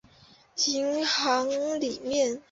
银行里面